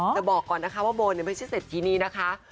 เธอบอกก่อนนะคะว่าโบนไม่ใช่เสร็จทีนี้ค่ะ